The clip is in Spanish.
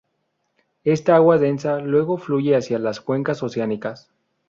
Esta agua densa luego fluye hacia las cuencas oceánicas.